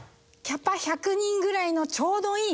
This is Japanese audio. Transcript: キャパ１００人ぐらいのちょうどいい舞台。